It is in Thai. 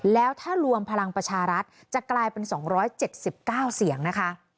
แล้วถ้ารวมพลังประชารัฐจะกลายเป็น๒๗๙เสียงนะคะ